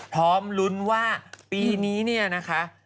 พร้อมลุ้นว่าปีนี้นะคะ